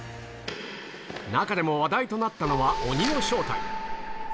中でも話題となったのは、鬼の正体。